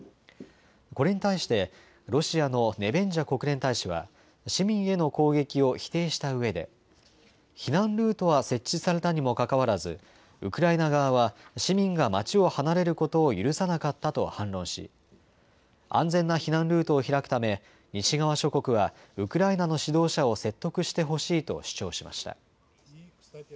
これに対してロシアのネベンジャ国連大使は市民への攻撃を否定したうえで避難ルートは設置されたにもかかわらずウクライナ側は市民が街を離れることを許さなかったと反論し安全な避難ルートを開くため西側諸国はウクライナの指導者を説得してほしいと主張しました。